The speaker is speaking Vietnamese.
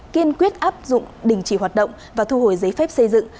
kiên quyết áp dụng đình chỉ hoạt động và thu hồi giấy phép xây dựng